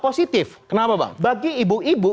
positif kenapa bang bagi ibu ibu